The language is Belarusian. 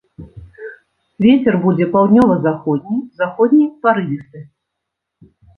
Вецер будзе паўднёва-заходні, заходні парывісты.